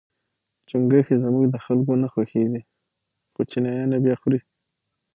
چونګښي زموږ د خلکو نه خوښیږي خو چینایان یې با خوري.